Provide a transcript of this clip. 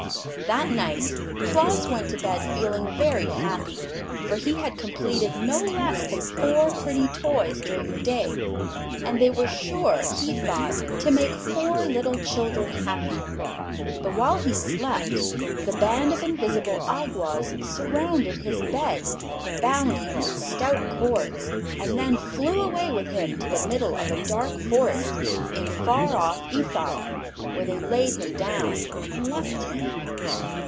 That night Claus went to bed feeling very happy, for he had completed no less than four pretty toys during the day, and they were sure, he thought, to make four little children happy. But while he slept the band of invisible Awgwas surrounded his bed, bound him with stout cords, and then flew away with him to the middle of a dark forest in far off Ethop, where they laid him down and left him.